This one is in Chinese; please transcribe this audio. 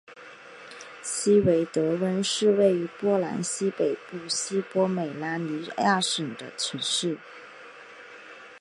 希维德温是位于波兰西北部西波美拉尼亚省的城市。